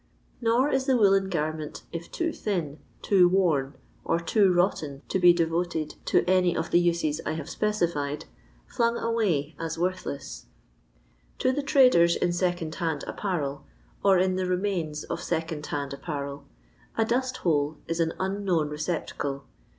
Nor is the woollen garment, if too thin, too worn, or too rotten to be devoted to any of the uses I have specified, flung away as worthless. To 80 LONDON LABOUR AND TEE LONDON POOR, % the tiaden in lecond'hand apparel, or in the re mains of aecond hand apparel, a diut hole is an unknown receptacle.